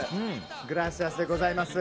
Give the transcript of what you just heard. グラシアスでございます。